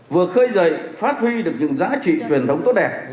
vừa khơi dậy phát huy được những giá trị truyền thống tốt đẹp